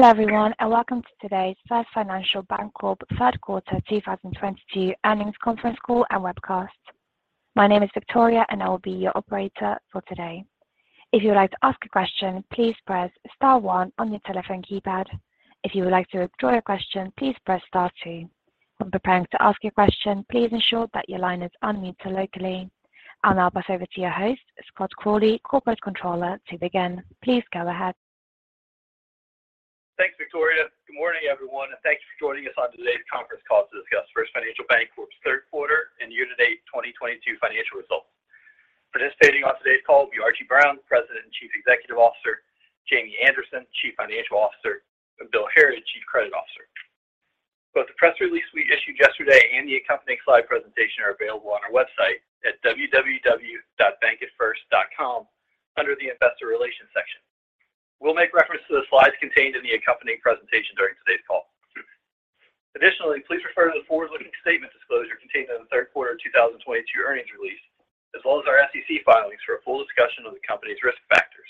Hello, everyone, and welcome to today's First Financial Bancorp third quarter 2022 earnings conference call and webcast. My name is Victoria, and I will be your operator for today. If you would like to ask a question, please press star one on your telephone keypad. If you would like to withdraw your question, please press star two. When preparing to ask your question, please ensure that your line is unmuted locally. I'll now pass over to your host, Scott Crawley, Corporate Controller, to begin. Please go ahead. Thanks, Victoria. Good morning, everyone, and thank you for joining us on today's conference call to discuss First Financial Bancorp's third quarter and year-to-date 2022 financial results. Participating on today's call will be Archie Brown, President and Chief Executive Officer, Jamie Anderson, Chief Financial Officer, and Bill Harrod, Chief Credit Officer. Both the press release we issued yesterday and the accompanying slide presentation are available on our website at www.bankatfirst.com under the investor relations section. We'll make reference to the slides contained in the accompanying presentation during today's call. Additionally, please refer to the forward-looking statement disclosure contained in the third quarter 2022 earnings release, as well as our SEC filings for a full discussion of the company's risk factors.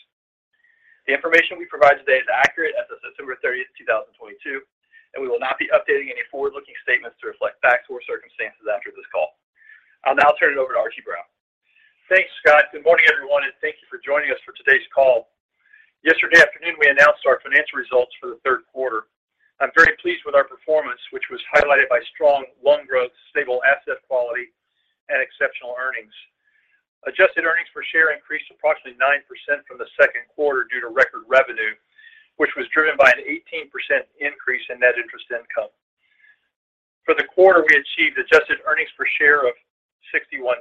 The information we provide today is accurate as of September 30th, 2022, and we will not be updating any forward-looking statements to reflect facts or circumstances after this call. I'll now turn it over to Archie Brown. Thanks, Scott. Good morning, everyone, and thank you for joining us for today's call. Yesterday afternoon, we announced our financial results for the third quarter. I'm very pleased with our performance, which was highlighted by strong loan growth, stable asset quality, and exceptional earnings. Adjusted earnings per share increased approximately 9% from the second quarter due to record revenue, which was driven by an 18% increase in net interest income. For the quarter, we achieved adjusted earnings per share of $0.61,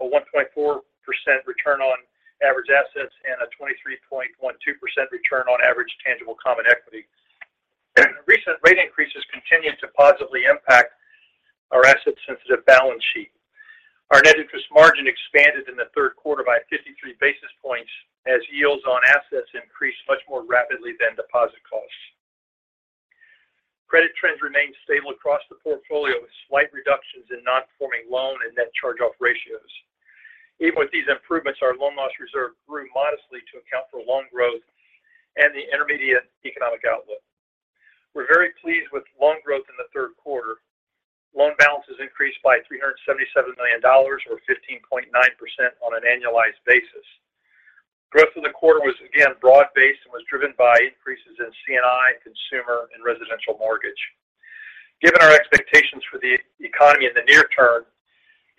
a 1.4% return on average assets, and a 23.12% return on average tangible common equity. Recent rate increases continued to positively impact our asset-sensitive balance sheet. Our net interest margin expanded in the third quarter by 53 basis points as yields on assets increased much more rapidly than deposit costs. Credit trends remained stable across the portfolio with slight reductions in non-performing loan and net charge-off ratios. Even with these improvements, our loan loss reserve grew modestly to account for loan growth and the intermediate economic outlook. We're very pleased with loan growth in the third quarter. Loan balances increased by $377 million or 15.9% on an annualized basis. Growth in the quarter was again broad-based and was driven by increases in C&I, consumer, and residential mortgage. Given our expectations for the economy in the near term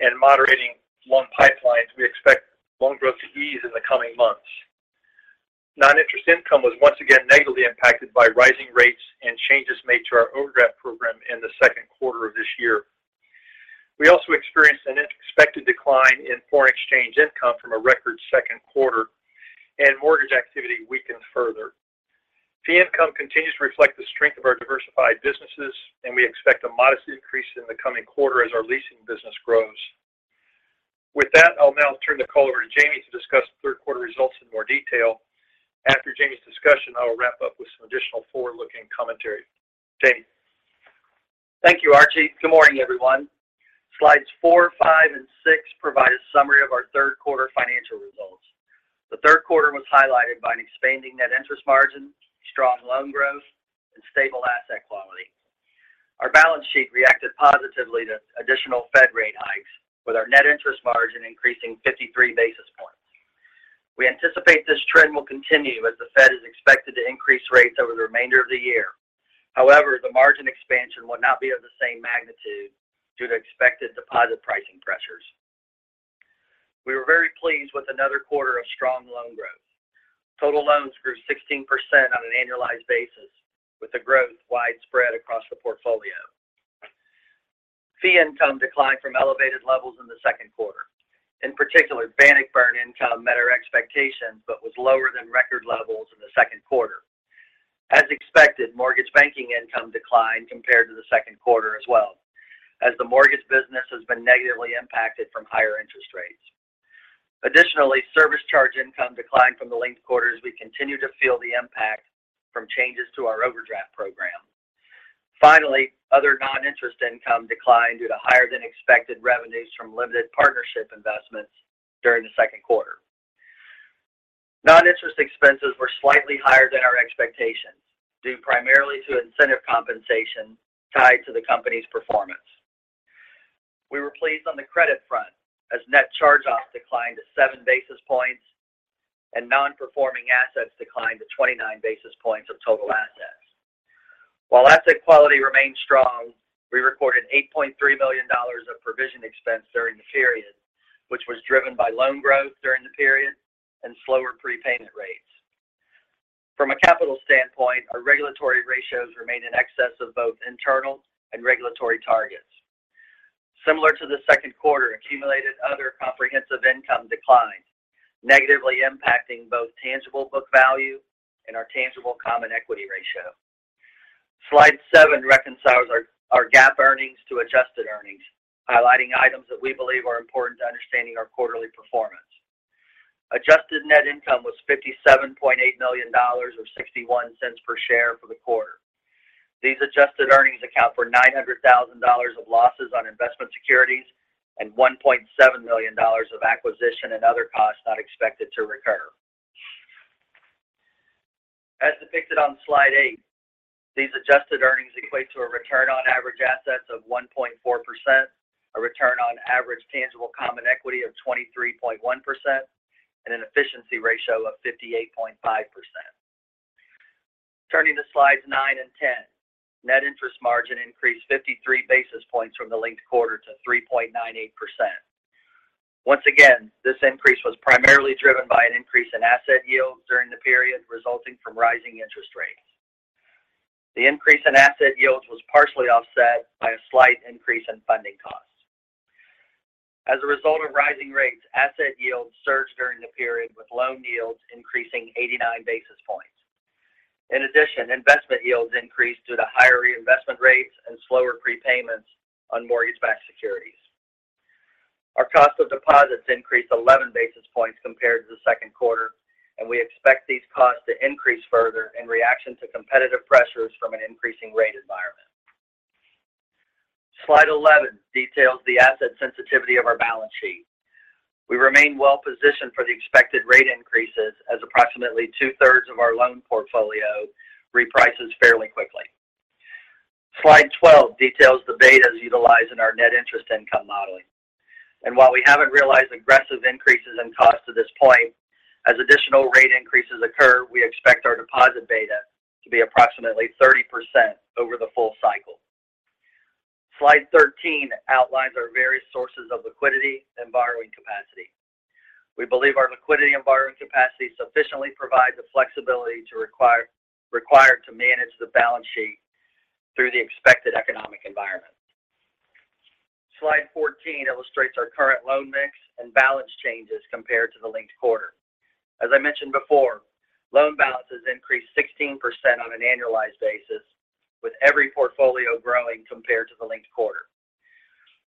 and moderating loan pipelines, we expect loan growth to ease in the coming months. Non-interest income was once again negatively impacted by rising rates and changes made to our overdraft program in the second quarter of this year. We also experienced an expected decline in foreign exchange income from a record second quarter and mortgage activity weakened further. Fee income continues to reflect the strength of our diversified businesses, and we expect a modest increase in the coming quarter as our leasing business grows. With that, I'll now turn the call over to Jamie to discuss the third quarter results in more detail. After Jamie's discussion, I will wrap up with some additional forward-looking commentary. Jamie? Thank you, Archie. Good morning, everyone. Slides 4, 5, and 6 provide a summary of our third quarter financial results. The third quarter was highlighted by an expanding net interest margin, strong loan growth, and stable asset quality. Our balance sheet reacted positively to additional Fed rate hikes with our net interest margin increasing 53 basis points. We anticipate this trend will continue as the Fed is expected to increase rates over the remainder of the year. However, the margin expansion will not be of the same magnitude due to expected deposit pricing pressures. We were very pleased with another quarter of strong loan growth. Total loans grew 16% on an annualized basis with the growth widespread across the portfolio. Fee income declined from elevated levels in the second quarter. In particular, Bannockburn income met our expectations but was lower than record levels in the second quarter. As expected, mortgage banking income declined compared to the second quarter as well as the mortgage business has been negatively impacted from higher interest rates. Additionally, service charge income declined from the linked quarter as we continue to feel the impact from changes to our overdraft program. Finally, other non-interest income declined due to higher than expected revenues from limited partnership investments during the second quarter. Non-interest expenses were slightly higher than our expectations due primarily to incentive compensation tied to the company's performance. We were pleased on the credit front as net charge-offs declined to 7 basis points and non-performing assets declined to 29 basis points of total assets. While asset quality remained strong, we recorded $8.3 million of provision expense during the period, which was driven by loan growth during the period and slower prepayment rates. From a capital standpoint, our regulatory ratios remained in excess of both internal and regulatory targets. Similar to the second quarter, accumulated other comprehensive income declined, negatively impacting both tangible book value and our tangible common equity ratio. Slide 7 reconciles our GAAP earnings to adjusted earnings, highlighting items that we believe are important to understanding our quarterly performance. Adjusted net income was $57.8 million or $0.61 per share for the quarter. These adjusted earnings account for $900,000 of losses on investment securities and $1.7 million of acquisition and other costs not expected to recur. As depicted on slide eight, these adjusted earnings equate to a return on average assets of 1.4%, a return on average tangible common equity of 23.1%, and an efficiency ratio of 58.5%. Turning to slides 9 and 10, net interest margin increased 53 basis points from the linked quarter to 3.98%. Once again, this increase was primarily driven by an increase in asset yields during the period resulting from rising interest rates. The increase in asset yields was partially offset by a slight increase in funding costs. As a result of rising rates, asset yields surged during the period, with loan yields increasing 89 basis points. In addition, investment yields increased due to higher reinvestment rates and slower prepayments on mortgage-backed securities. Our cost of deposits increased 11 basis points compared to the second quarter, and we expect these costs to increase further in reaction to competitive pressures from an increasing rate environment. Slide 11 details the asset sensitivity of our balance sheet. We remain well positioned for the expected rate increases as approximately 2/3s of our loan portfolio reprices fairly quickly. Slide 12 details the betas utilized in our net interest income modeling. While we haven't realized aggressive increases in costs to this point, as additional rate increases occur, we expect our deposit beta to be approximately 30% over the full cycle. Slide 13 outlines our various sources of liquidity and borrowing capacity. We believe our liquidity and borrowing capacity sufficiently provide the flexibility required to manage the balance sheet through the expected economic environment. Slide 14 illustrates our current loan mix and balance changes compared to the linked quarter. As I mentioned before, loan balances increased 16% on an annualized basis, with every portfolio growing compared to the linked quarter.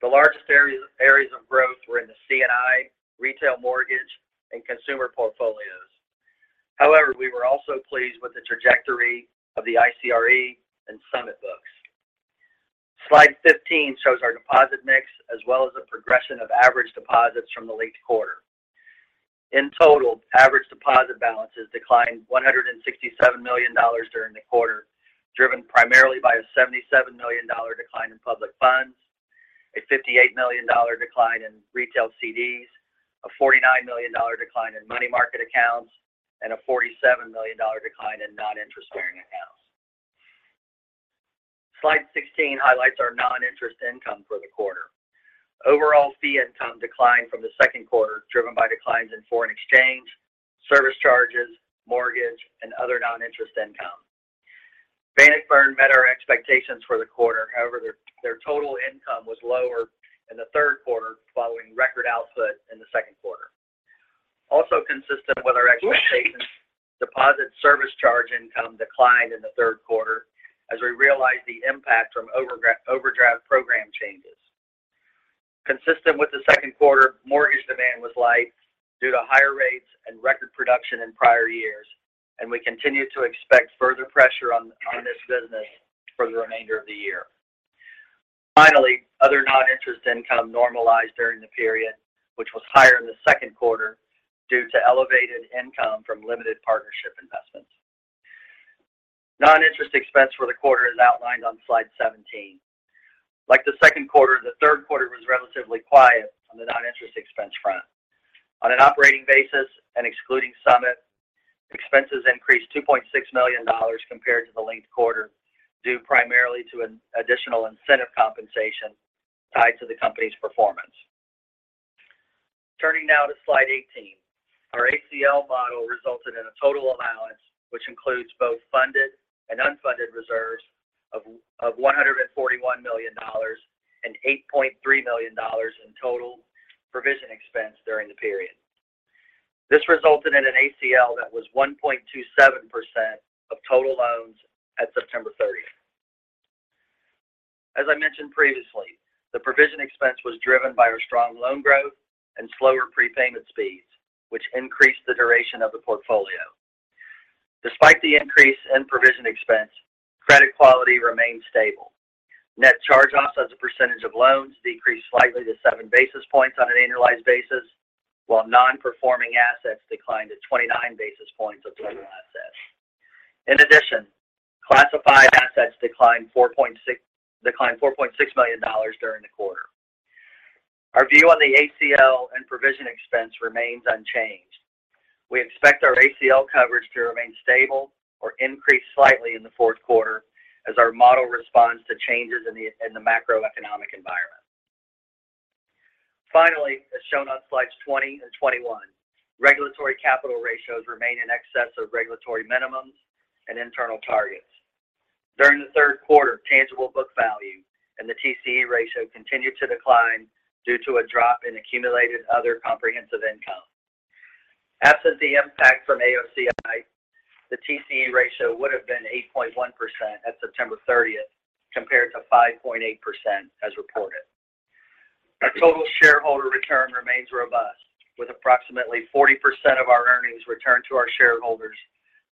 The largest areas of growth were in the C&I, retail mortgage, and consumer portfolios. However, we were also pleased with the trajectory of the ICRE and Summit books. Slide 15 shows our deposit mix as well as the progression of average deposits from the linked quarter. In total, average deposit balances declined $167 million during the quarter, driven primarily by a $77 million decline in public funds, a $58 million decline in retail CDs, a $49 million decline in money market accounts, and a $47 million decline in non-interest-bearing accounts. Slide 16 highlights our non-interest income for the quarter. Overall fee income declined from the second quarter, driven by declines in foreign exchange, service charges, mortgage, and other non-interest income. Bannockburn met our expectations for the quarter. However, their total income was lower in the third quarter following record output in the second quarter. Also consistent with our expectations, deposit service charge income declined in the third quarter as we realized the impact from overdraft program changes. Consistent with the second quarter, mortgage demand was light due to higher rates and record production in prior years, and we continue to expect further pressure on this business for the remainder of the year. Finally, other non-interest income normalized during the period, which was higher in the second quarter due to elevated income from limited partnership investments. Non-interest expense for the quarter is outlined on slide 17. Like the second quarter, the third quarter was relatively quiet on the non-interest expense front. On an operating basis and excluding Summit, expenses increased $2.6 million compared to the linked quarter due primarily to an additional incentive compensation tied to the company's performance. Turning now to slide 18. Our ACL model resulted in a total allowance, which includes both funded and unfunded reserves of $141 million and $8.3 million in total provision expense during the period. This resulted in an ACL that was 1.27% of total loans at September 30th. As I mentioned previously, the provision expense was driven by our strong loan growth and slower prepayment speeds, which increased the duration of the portfolio. Despite the increase in provision expense, credit quality remained stable. Net charge-offs as a percentage of loans decreased slightly to 7 basis points on an annualized basis, while non-performing assets declined to 29 basis points of total assets. In addition, classified assets declined $4.6 million during the quarter. Our view on the ACL and provision expense remains unchanged. We expect our ACL coverage to remain stable or increase slightly in the fourth quarter as our model responds to changes in the macroeconomic environment. Finally, as shown on slides 20 and 21, regulatory capital ratios remain in excess of regulatory minimums and internal targets. During the third quarter, tangible book value and the TCE ratio continued to decline due to a drop in accumulated other comprehensive income. Absent the impact from AOCI, the TCE ratio would have been 8.1% at September 30th compared to 5.8% as reported. Our total shareholder return remains robust with approximately 40% of our earnings returned to our shareholders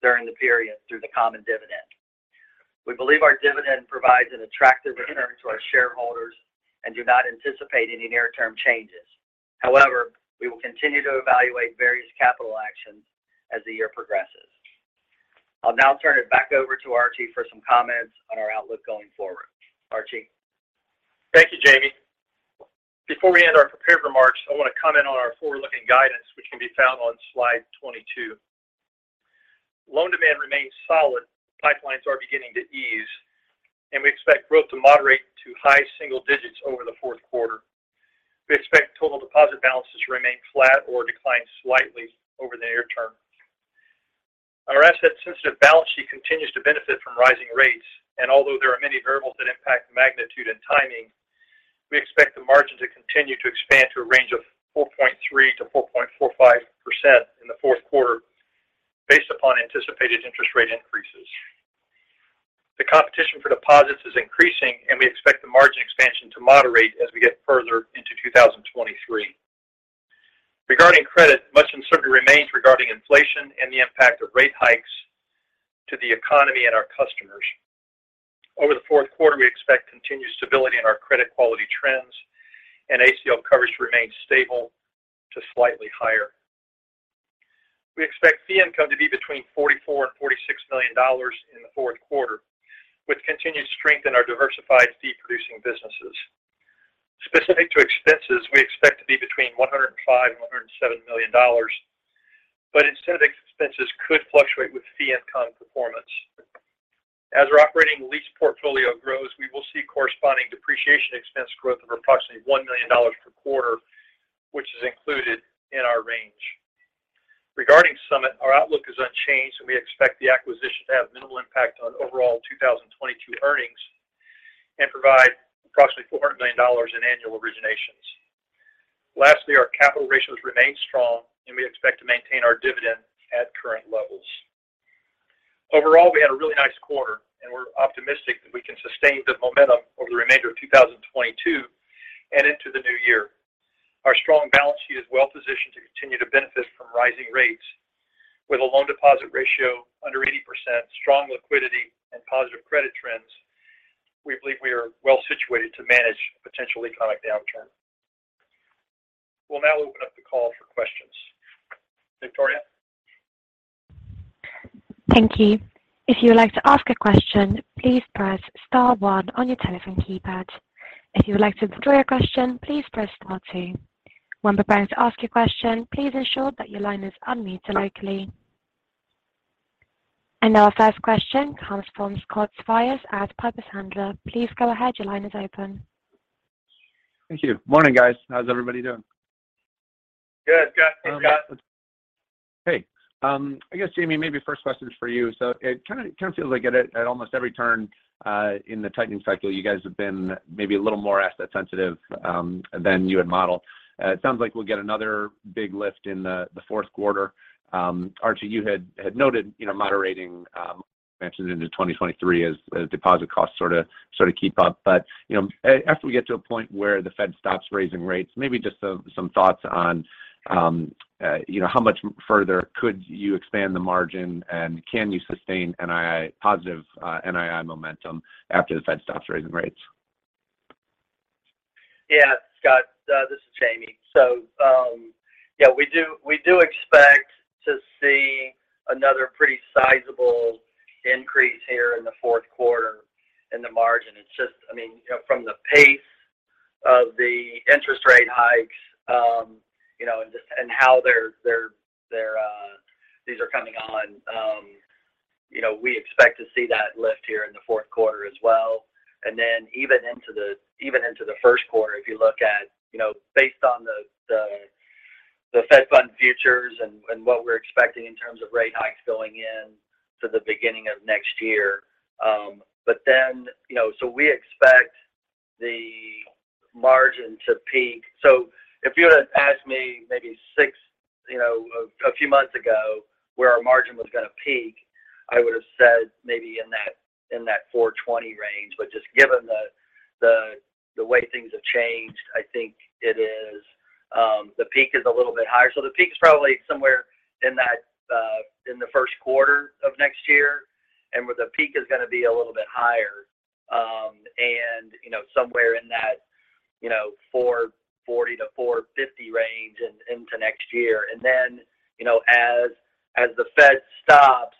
during the period through the common dividend. We believe our dividend provides an attractive return to our shareholders and do not anticipate any near-term changes. However, we will continue to evaluate various capital actions as the year progresses. I'll now turn it back over to Archie for some comments on our outlook going forward. Archie. Thank you, Jamie. Before we end our prepared remarks, I want to comment on our forward-looking guidance, which can be found on slide 22. Loan demand remains solid. Pipelines are beginning to ease, and we expect growth to moderate to high single digits over the fourth quarter. We expect total deposit balances to remain flat or decline slightly over the near term. Our asset-sensitive balance sheet continues to benefit from rising rates, and although there are many variables that impact magnitude and timing, we expect the margin to continue to expand to a range of 4.3%-4.45% in the fourth quarter based upon anticipated interest rate increases. The competition for deposits is increasing, and we expect the margin expansion to moderate as we get further into 2023. Regarding credit, much uncertainty remains regarding inflation and the impact of rate hikes to the economy and our customers. Over the fourth quarter, we expect continued stability in our credit quality trends and ACL coverage to remain stable to slightly higher. We expect fee income to be between $44 million and $46 million in the fourth quarter, with continued strength in our diversified fee-producing businesses. Specific to expenses, we expect to be between $105 million and $107 million, but expenses could fluctuate with fee income performance. As our operating lease portfolio grows, we will see corresponding depreciation expense growth of approximately $1 million per quarter, which is included in our range. Regarding Summit, our outlook is unchanged, and we expect the acquisition to have minimal impact on overall 2022 earnings and provide approximately $400 million in annual originations. Lastly, our capital ratios remain strong, and we expect to maintain our dividend at current levels. Overall, we had a really nice quarter, and we're optimistic that we can sustain the momentum over the remainder of 2022 and into the new year. Our strong balance sheet is well positioned to continue to benefit from rising rates. With a loan deposit ratio under 80%, strong liquidity, and positive credit trends, we believe we are well situated to manage a potential economic downturn. We'll now open up the call for questions. Victoria? Thank you. If you would like to ask a question, please press star one on your telephone keypad. If you would like to withdraw your question, please press star two. When preparing to ask your question, please ensure that your line is unmuted locally. Our first question comes from Scott Siefers at Piper Sandler. Please go ahead. Your line is open. Thank you. Morning, guys. How's everybody doing? Good, Scott. Hey, Scott. Hey. I guess, Jamie, maybe first question is for you. It kind of feels like at almost every turn in the tightening cycle you guys have been maybe a little more asset sensitive than you had modeled. It sounds like we'll get another big lift in the fourth quarter. Archie, you had noted, you know, moderating margins into 2023 as deposit costs sort of keep up. You know, after we get to a point where the Fed stops raising rates, maybe just some thoughts on, you know, how much further could you expand the margin and can you sustain positive NII momentum after the Fed stops raising rates? Yeah. Scott, this is Jamie. We do expect to see another pretty sizable increase here in the fourth quarter in the margin. It's just, I mean, from the pace of the interest rate hikes, you know, and just how they're coming on, you know, we expect to see that lift here in the fourth quarter as well. Even into the first quarter, if you look at, you know, based on the Fed funds futures and what we're expecting in terms of rate hikes going in to the beginning of next year. You know, we expect the margin to peak. If you would've asked me maybe six, you know, a few months ago where our margin was going to peak, I would have said maybe in that 4.20% range. But just given the way things have changed, I think the peak is a little bit higher. The peak is probably somewhere in the first quarter of next year, and where the peak is going to be a little bit higher, and you know, somewhere in that 4.40%-4.50% range into next year. Then you know as the Fed stops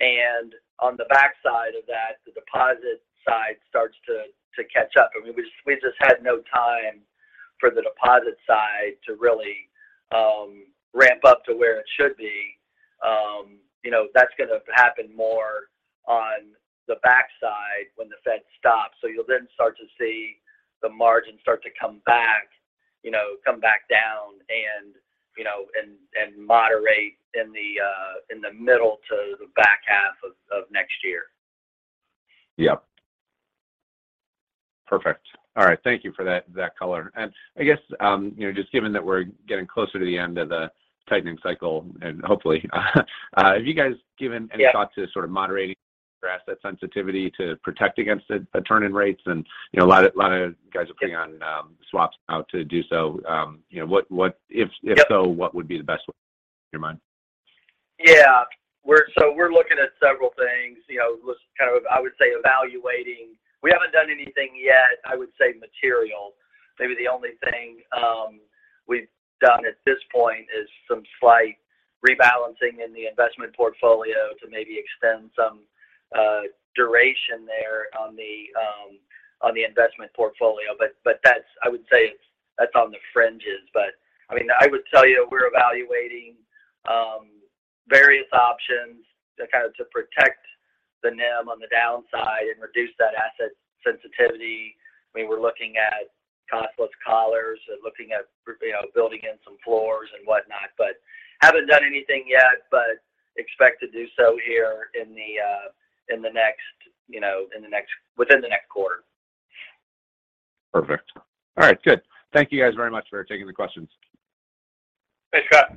and on the backside of that, the deposit side starts to catch up. I mean, we just had no time for the deposit side to really ramp up to where it should be. You know, that's going to happen more on the backside when the Fed stops. You'll then start to see the margin start to come back, you know, come back down and, you know, moderate in the middle to the back half of next year. Yeah. Perfect. All right. Thank you for that color. I guess, you know, just given that we're getting closer to the end of the tightening cycle and hopefully have you guys given any thought to sort of moderating your asset sensitivity to protect against the falling rates. You know, a lot of guys are putting on swaps now to do so. You know, what if so, what would be the best way in your mind? Yeah. We're looking at several things. You know, kind of I would say evaluating. We haven't done anything yet, I would say material. Maybe the only thing we've done at this point is some slight rebalancing in the investment portfolio to maybe extend some duration there on the investment portfolio. I would say that's on the fringes. I mean, I would tell you we're evaluating various options to kind of protect the NIM on the downside and reduce that asset sensitivity. I mean, we're looking at costless collars and looking at, you know, building in some floors and whatnot. Haven't done anything yet, but expect to do so here in the next, you know, within the next quarter. Perfect. All right. Good. Thank you guys very much for taking the questions. Thanks, Scott.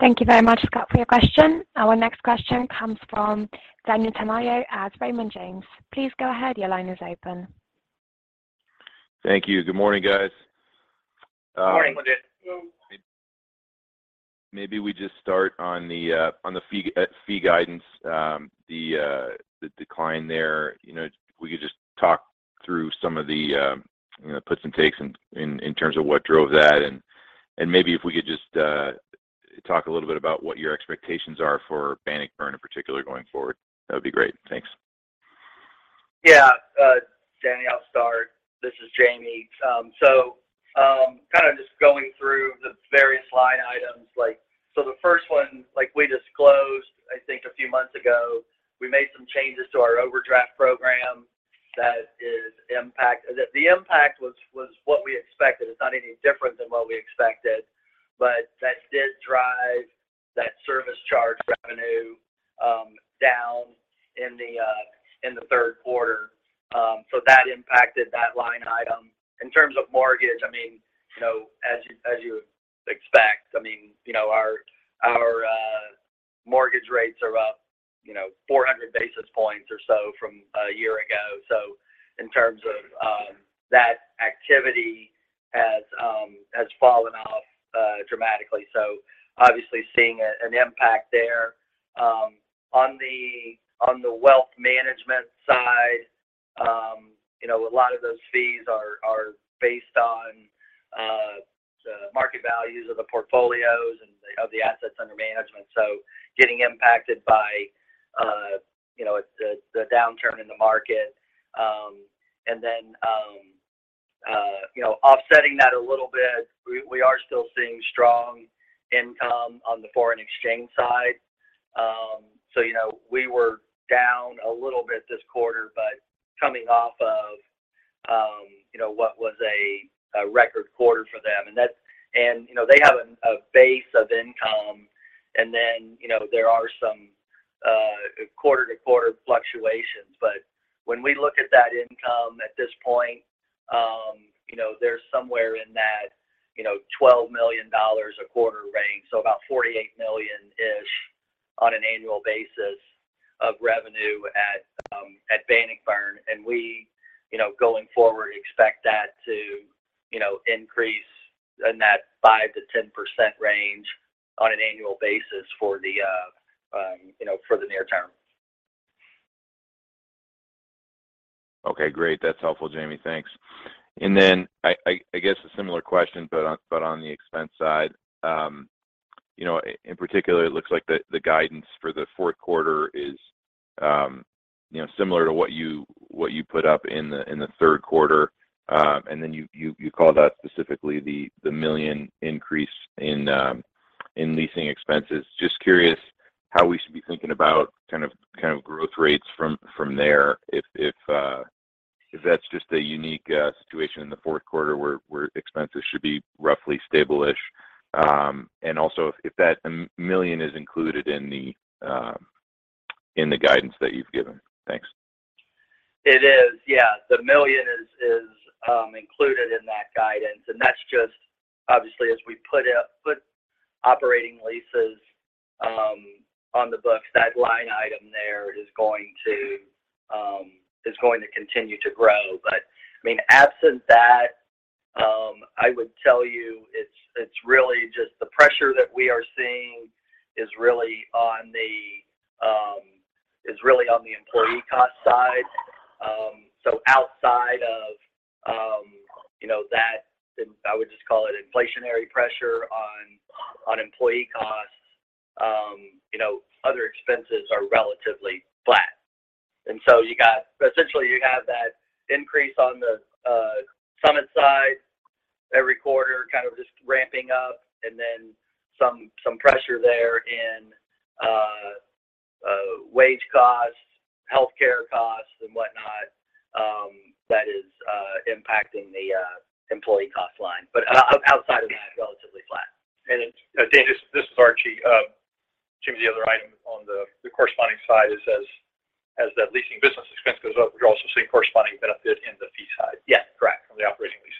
Thank you very much, Scott, for your question. Our next question comes from Daniel Tamayo at Raymond James. Please go ahead. Your line is open. Thank you. Good morning, guys. Morning. Maybe we just start on the fee guidance, the decline there. You know, if we could just talk through some of the, you know, puts and takes in terms of what drove that. Maybe if we could just talk a little bit about what your expectations are for Bannockburn in particular going forward. That'd be great. Thanks. Yeah. Daniel, I'll start. This is Jamie. Kind of just going through the various line items. The first one, like we disclosed, I think a few months ago, we made some changes to our overdraft program. The impact was what we expected. It's not any different than what we expected, but that did drive that service charge revenue down in the third quarter. That impacted that line item. In terms of mortgage, I mean, you know, as you expect, I mean, you know, our mortgage rates are up, you know, 400 basis points or so from a year ago. In terms of that activity has fallen off dramatically. Obviously seeing an impact there. On the wealth management side, you know, a lot of those fees are based on the market values of the portfolios and of the assets under management, getting impacted by, you know, the downturn in the market. You know, offsetting that a little bit, we are still seeing strong income on the foreign exchange side. You know, we were down a little bit this quarter, but coming off of, you know, what was a record quarter for them. You know, they have a base of income. You know, there are some quarter-to-quarter fluctuations. When we look at that income at this point, you know, they're somewhere in that $12 million a quarter range, so about $48 million-ish on an annual basis of revenue at Bannockburn. We, you know, going forward, expect that to, you know, increase in that 5%-10% range on an annual basis for the near term. Okay, great. That's helpful, Jamie. Thanks. Then I guess a similar question, but on the expense side. You know, in particular, it looks like the guidance for the fourth quarter is, you know, similar to what you put up in the third quarter. And then you call that specifically the million increase in leasing expenses. Just curious how we should be thinking about kind of growth rates from there if that's just a unique situation in the fourth quarter where expenses should be roughly stable-ish. And also if that million is included in the guidance that you've given. Thanks. It is. Yeah. The million is included in that guidance. That's just obviously as we put operating leases on the books, that line item there is going to continue to grow. I mean, absent that, I would tell you it's really just the pressure that we are seeing is really on the employee cost side. Outside of that then I would just call it inflationary pressure on employee costs, you know, other expenses are relatively flat. Essentially, you have that increase on the Summit side every quarter, kind of just ramping up and then some pressure there in wage costs, healthcare costs and whatnot, that is impacting the employee cost line. Outside of that, relatively flat. Daniel, this is Archie. Jamie, the other item on the corresponding side is as that leasing business expense goes up, we're also seeing corresponding benefit in the fee side. Yeah, correct. From the operating lease.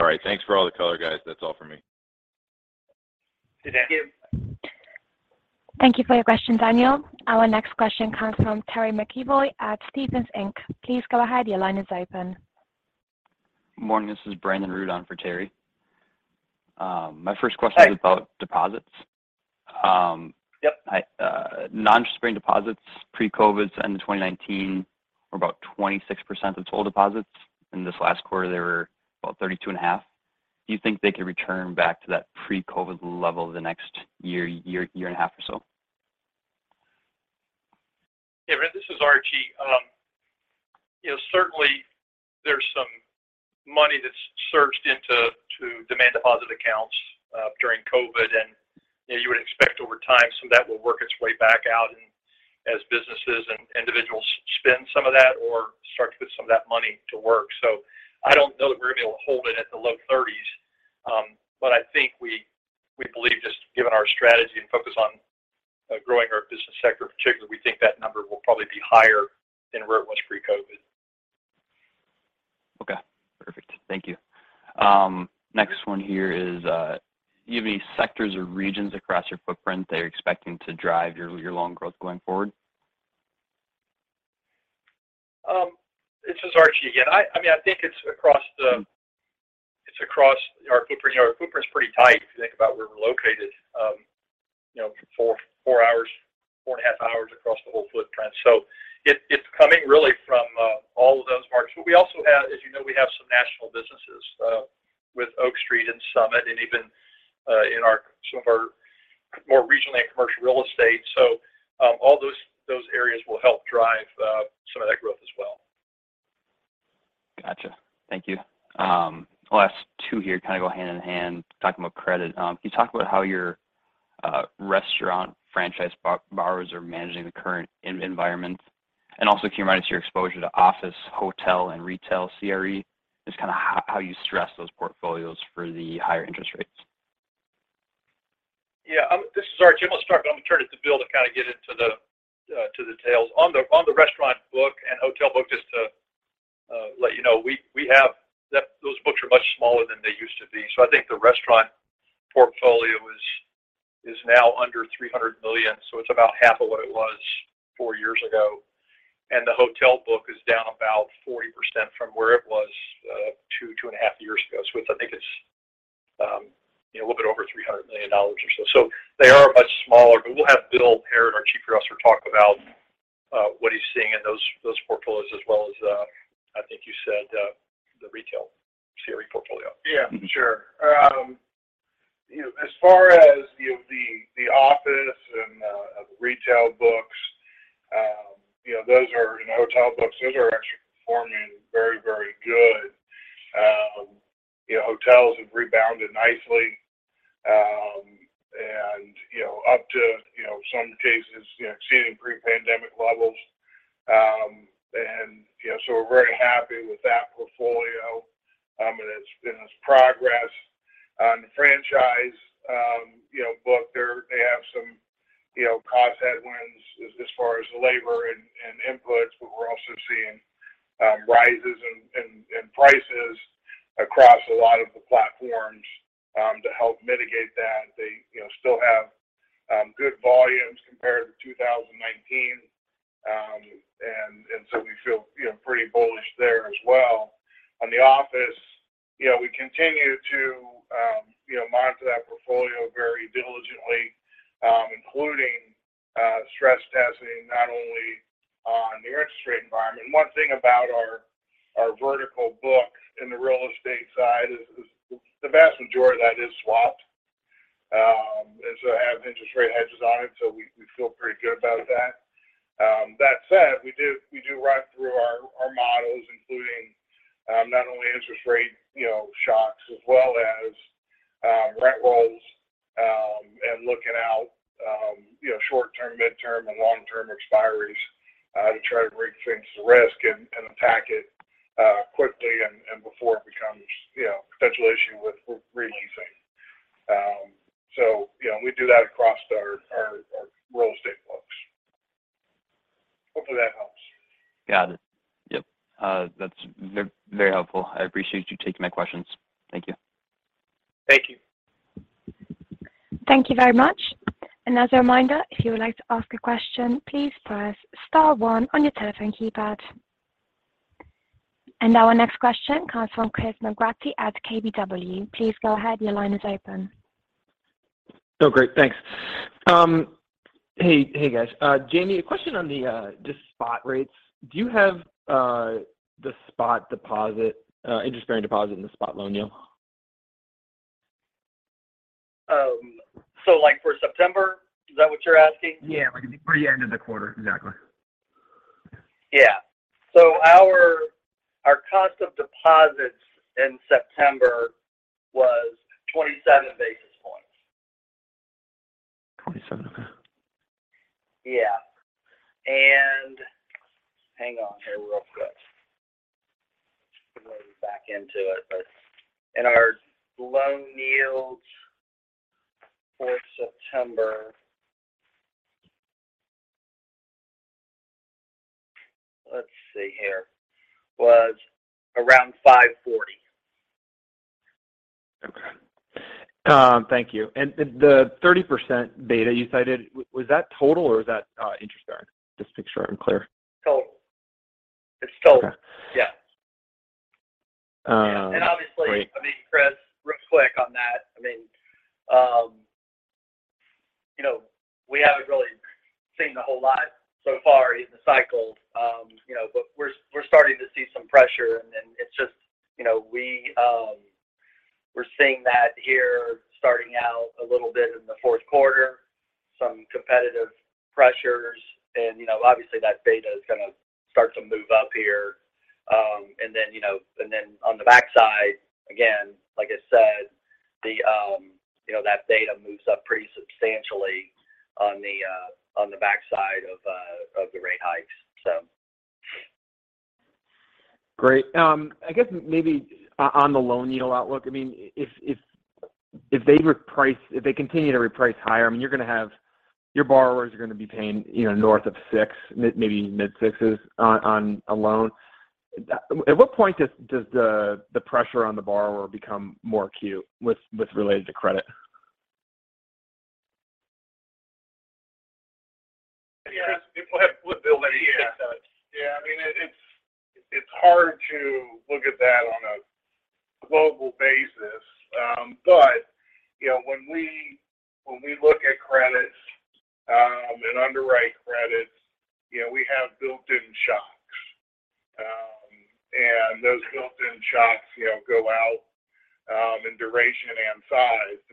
All right. Thanks for all the color guys. That's all for me. Thank you. Thank you for your question, Daniel. Our next question comes from Terry McEvoy at Stephens Inc. Please go ahead. Your line is open. Morning, this is Brandon Rud on for Terry. My first question. Hi. Is about deposits. Yep. Non-interest-bearing deposits pre-COVID end of 2019 were about 26% of total deposits. In this last quarter they were about 32.5%. Do you think they could return back to that pre-COVID level the next year and a half or so? Yeah. Brandon, this is Archie. You know, certainly there's some money that's surged into demand deposit accounts during COVID. You know, you would expect over time some of that will work its way back out and as businesses and individuals spend some of that or start to put some of that money to work. I don't know that we're going to be able to hold it at the low-30s. I think we believe just given our strategy and focus on growing our business sector in particular, we think that number will probably be higher than where it was pre-COVID. Okay. Perfect. Thank you. Next one here is, do you have any sectors or regions across your footprint that you're expecting to drive your loan growth going forward? This is Archie again. I mean, I think it's across our footprint. You know, our footprint's pretty tight if you think about where we're located, you know, four hours, 4.5 hours across the whole footprint. It's coming really from all of those markets. We also have, as you know, some national businesses with Oak Street and Summit and even in some of our more regional and commercial real estate. All those areas will help drive some of that growth as well. Gotcha. Thank you. Last two here kind of go hand in hand talking about credit. Can you talk about how your restaurant franchise borrowers are managing the current environment? Also can you remind us your exposure to office, hotel and retail CRE? Just kind of how you stress those portfolios for the higher interest rates. Yeah. This is Archie. I'm going to start, but I'm going to turn it to Bill to kind of get into the details. On the restaurant book and hotel book, just to let you know, we have those books are much smaller than they used to be. I think the restaurant portfolio is now under $300 million, so it's about half of what it was four years ago. The hotel book is down about 40% from where it was 2.5 Years ago. It's you know, a little bit over $300 million or so. They are much smaller. We'll have Bill Harrod, our Chief Credit Officer, talk about what he's seeing in those portfolios as well as, I think you said, the retail CRE portfolio. Yeah, sure. You know, as far as, you know, the office and retail books and hotel books, those are actually performing very, very good. You know, hotels have rebounded nicely, and, you know, up to, you know, some cases, you know, exceeding pre-pandemic levels. You know, we're very happy with that portfolio, and its progress. On the franchise, you know, book there, they have some, you know, cost headwinds as far as the labor and inputs, but we're also seeing rises in prices across a lot of the platforms to help mitigate that. They, you know, still have good volumes compared to 2019. We feel, you know, pretty bullish there as well. On the office, you know, we continue to you know monitor that portfolio very diligently, including stress testing not only on the interest rate environment. One thing about our vertical book in the real estate side is the vast majority of that is swapped, and so it has interest rate hedges on it, so we feel pretty good about that. That said, we do run through our models including not only interest rate you know shocks as well as rent rolls, and looking out you know short-term, midterm and long-term expiries to try to rethink the risk and attack it quickly and before it becomes you know a potential issue with re-leasing. So, you know, we do that across our real estate books. Hopefully that helps. Got it. Yep. That's very helpful. I appreciate you taking my questions. Thank you. Thank you. Thank you very much. As a reminder, if you would like to ask a question, please press star one on your telephone keypad. Now our next question comes from Chris McGratty at KBW. Please go ahead. Your line is open. Oh great. Thanks. Hey guys. Jamie, a question on the just spot rates. Do you have the spot deposit interest-bearing deposit and the spot loan yield? Like for September? Is that what you're asking? Yeah, like for the end of the quarter. Exactly. Our cost of deposits in September was 27 basis points. 27. Okay. Yeah. Hang on here real quick. Let me back into it. Our loan yields for September. Let's see here. Was around 5.40. Okay. Thank you. The 30% beta you cited, was that total or is that interest-bearing? Just make sure I'm clear. Total. It's total. Okay. Yeah. Obviously. Great. I mean, Chris, real quick on that. I mean, you know, we haven't really seen a whole lot so far in the cycle, you know. We're starting to see some pressure, and then it's just, you know, we're seeing that here starting out a little bit in the fourth quarter, some competitive pressures. You know, obviously, that beta is gonna start to move up here. Then, you know, on the backside, again, like I said, that beta moves up pretty substantially on the backside of the rate hikes, so. Great. I guess maybe on the loan yield outlook, I mean, if they continue to reprice higher, I mean, you're gonna have your borrowers are gonna be paying, you know, north of 6%, mid-sixes on a loan. At what point does the pressure on the borrower become more acute with relation to credit? Yeah. Go ahead. Go ahead, Billy. Yeah. Yeah. I mean, it's hard to look at that on a global basis. You know, when we look at credits and underwrite credits, you know, we have built-in shocks. And those built-in shocks, you know, go out in duration and size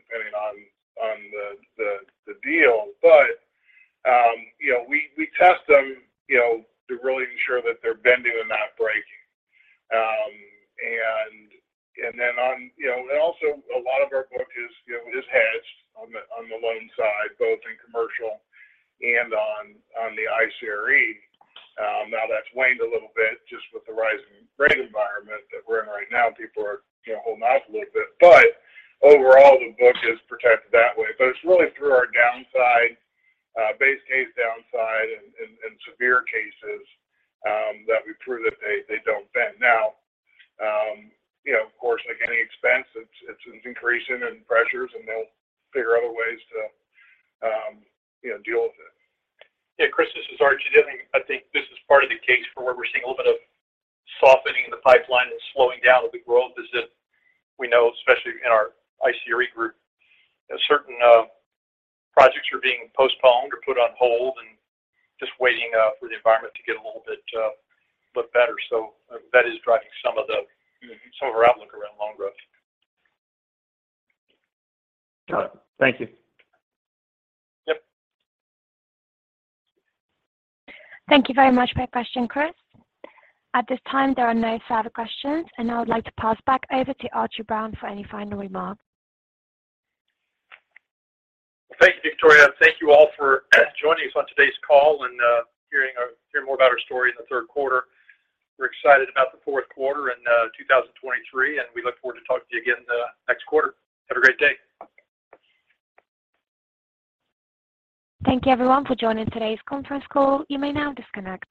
Yep. Thank you very much for your question, Chris. At this time, there are no further questions, and I would like to pass back over to Archie Brown for any final remarks. Thank you, Victoria. Thank you all for joining us on today's call and hearing more about our story in the third quarter. We're excited about the fourth quarter and 2023, and we look forward to talking to you again the next quarter. Have a great day. Thank you everyone for joining today's conference call. You may now disconnect.